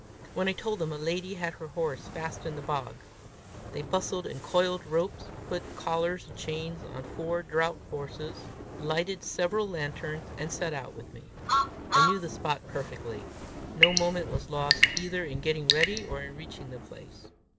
When I told them a lady had her horse fast in the bog, they bustled and coiled ropes, put collars and chains on four draught horses, lighted several lanterns, and set out with me. I knew the spot perfectly. No moment was lost either in getting ready, or in reaching the place.